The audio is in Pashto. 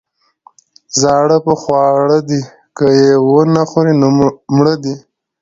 ـ زاړه په خواړه دي، که يې ونخوري نو مړه دي.